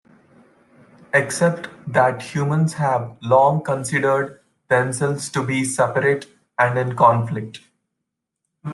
Except that humans have long-considered themselves to be separate and in conflict.